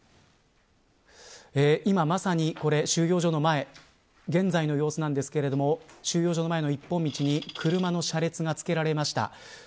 今、まさに収容所の前現在の様子なんですけれども収容所の前の一本道に車の車列がつけられました。